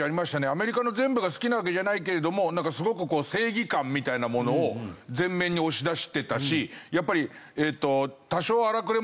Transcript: アメリカの全部が好きなわけじゃないけれどもすごく正義感みたいなものを前面に押し出してたしやっぱり多少荒くれ